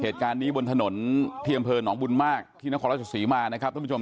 เหตุการณ์ในบนทางน้องบุญมากพี่น้องโคราชศีมา